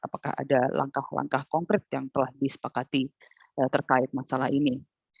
apakah ada langkah langkah konkret yang telah disepakati terkait masalah ini